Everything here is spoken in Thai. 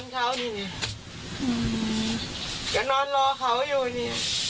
แกนอนรอเขาอยู่นี่